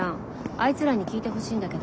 あいつらに聞いてほしいんだけど。